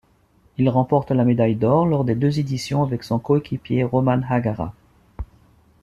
Il remporte la médaille d'or lors des deux éditions avec son coéquipier Roman Hagara.